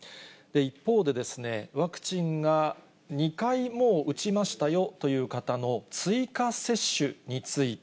一方で、ワクチンが２回、もう打ちましたよという方の追加接種について、